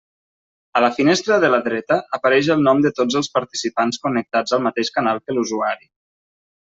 A la finestra de la dreta apareix el nom de tots els participants connectats al mateix canal que l'usuari.